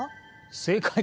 正解！